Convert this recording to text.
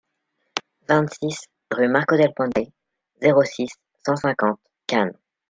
vingt-six rue Marco del Ponte, zéro six, cent cinquante Cannes